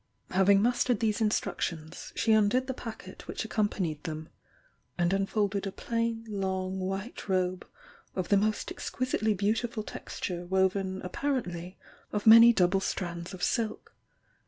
Having mastered these instructions she undid the packet which accompanied them, — and unfolded a plain, long, white robe of the most exquisitely beau tiful texture woven apparently of many double strands of silk.